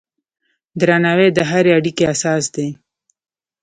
درناوی د هرې اړیکې اساس دی.